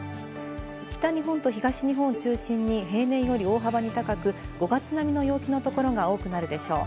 北日本と東日本を中心に平年より大幅に高く、５月並みの陽気の所が多くなるでしょう。